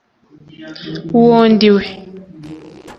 uwo ndi we